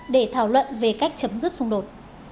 để thảo luận về cách chấm dứt xung đột